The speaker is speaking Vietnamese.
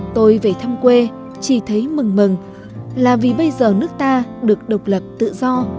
tôi về thăm quê chỉ thấy mừng mừng là vì bây giờ nước ta được độc lập tự do